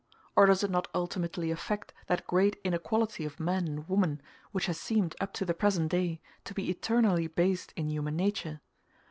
or does it not ultimately affect that great inequality of man and woman which has seemed, up to the present day, to be eternally based in human nature?